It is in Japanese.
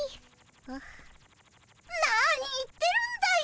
何言ってるんだい。